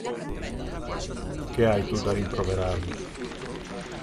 Che hai tu da rimproverarmi?